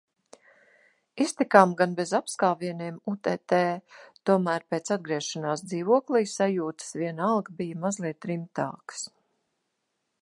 Iztikām gan bez apskāvieniem utt., tomēr pēc atgriešanās dzīvoklī sajūtas vienalga bija mazliet rimtākas.